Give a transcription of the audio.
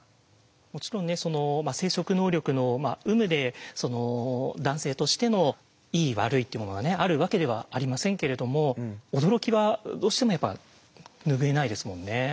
もちろんねその生殖能力の有無で男性としてのいい悪いっていうものがねあるわけではありませんけれども驚きはどうしてもやっぱ拭えないですもんね。